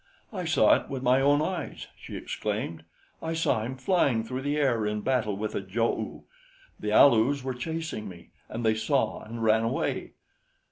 "I saw it with my own eyes!" she exclaimed. "I saw him flying through the air in battle with a Jo oo. The Alus were chasing me, and they saw and ran away."